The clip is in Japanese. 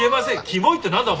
キモいって何だ？